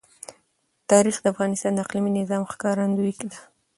تاریخ د افغانستان د اقلیمي نظام ښکارندوی ده.